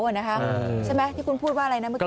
ใช่ไหมที่คุณพูดว่าอะไรนะเมื่อกี